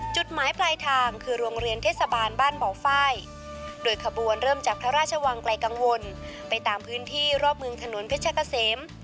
จุดหมายปลายทางคือโรงเรียนเทศบาลบ้านบ่อไฟโดยขบวนเริ่มจากพระราชวังไกลกังวลไปตามพื้นที่รอบเมืองถนนเพชรเกษม